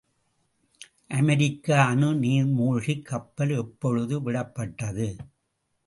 அமெரிக்க அணு நீர்மூழ்கிக் கப்பல் எப்பொழுது விடப்பட்டது?